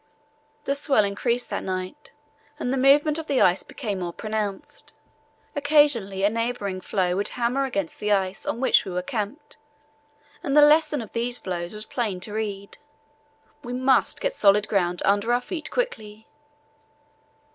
The swell increased that night and the movement of the ice became more pronounced. Occasionally a neighbouring floe would hammer against the ice on which we were camped, and the lesson of these blows was plain to read. We must get solid ground under our feet quickly.